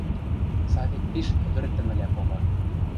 Савик пиш ӹвӹртӹмӹлӓ попа.